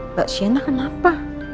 mbak sienna kenapa